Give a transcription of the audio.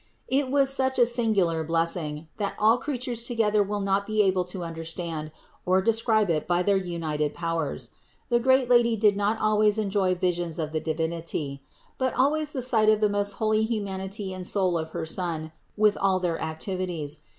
It was such a singular blessing, that all creatures together will not be able to understand or describe it by their united powers. The great Lady did not always enjoy visions of the Divinity; but always the sight of the most holy humanity and soul of her Son with all their activities.